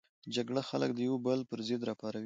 جګړه خلک د یو بل پر ضد راپاروي